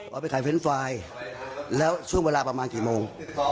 เอาไปขายเฟรนด์ไฟล์แล้วช่วงเวลาประมาณกี่โมง